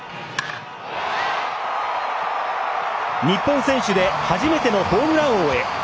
日本選手で初めてのホームラン王へ。